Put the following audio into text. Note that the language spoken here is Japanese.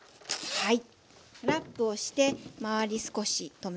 はい。